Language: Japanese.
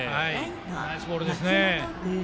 ナイスボールですね。